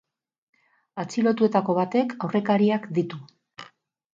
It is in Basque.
Atxilotuetako batek aurrekariak ditu.